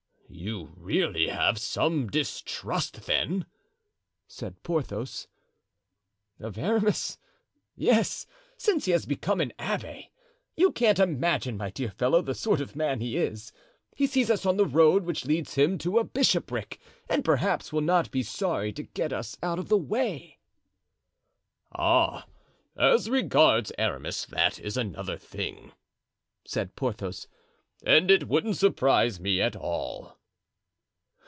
"You really have some distrust, then?" said Porthos. "Of Aramis, yes, since he has become an abbé. You can't imagine, my dear fellow, the sort of man he is. He sees us on the road which leads him to a bishopric, and perhaps will not be sorry to get us out of his way." "Ah, as regards Aramis, that is another thing," said Porthos, "and it wouldn't surprise me at all."